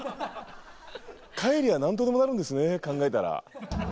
帰りゃあ何とでもなるんですね考えたら。